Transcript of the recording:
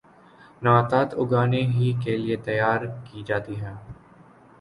نباتات اگانے ہی کیلئے تیار کی جاتی ہیں